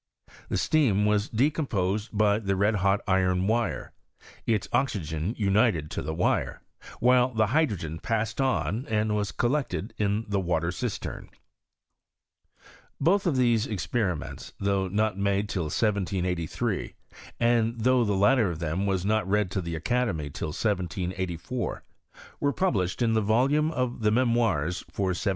The steam was decomposed by the red hot iron wire^ its oxygen united to the wire, while the hydrogen paBscd on and was collected in the water cistern. Both of these experiments, though not made till PROGUEBS OF ClIESIiaTHT TIT FUAXCE. 115 1783, and thougli the latter of tliem was not read to the academy till 1784, were published in the volume of the Msmoirs for 1781.